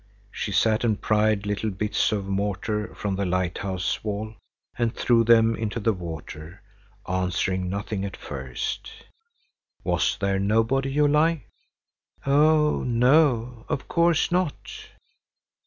She sat and pried little bits of mortar from the lighthouse wall and threw them into the water, answering nothing at first. "Was there nobody you liked?" "Oh no, of course not."